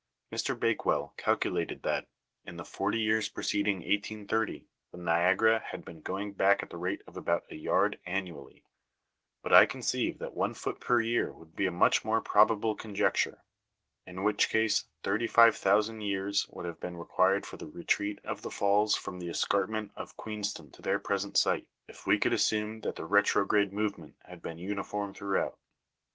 Mr. Bakewell calculated that, in the forty years preceding 1830, the Niagara had been going back at the rate of about a yard annually ; but I conceive that one foot per year would be a much more probable conjecture, in which case 35,000 years would have been required for the retreat of the falls from the escarpment of Queenston to their present site, if we could assume that the retrograde movement had been uniform throughout.